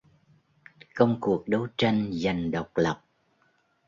công cuộc đấu tranh giành độc lập